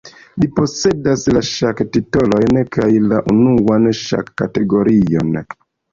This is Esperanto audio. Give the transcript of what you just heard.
Li posedas la ŝak-titolojn kaj la unuan ŝak-kategorion.